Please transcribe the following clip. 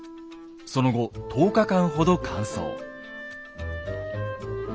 その後１０日間ほど乾燥。